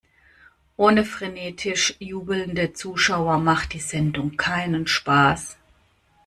Ohne frenetisch jubelnde Zuschauer macht die Sendung keinen Spaß.